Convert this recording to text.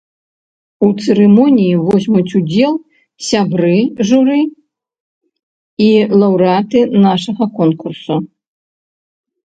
У цырымоніі возьмуць удзел сябры журы і лаўрэаты нашага конкурсу.